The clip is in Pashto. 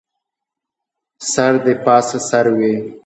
سر دې پاسه سر وي